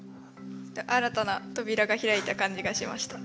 新たな扉が開いた感じがしました。